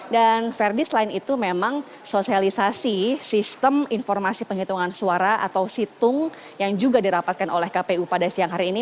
dan verdi selain itu memang sosialisasi sistem informasi penghitungan suara atau situm yang juga dirapatkan oleh kpu pada siang hari ini